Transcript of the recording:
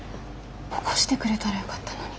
起こしてくれたらよかったのに。